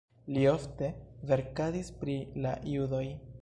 Li ofte verkadis pri la judoj.